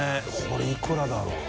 これいくらだろう？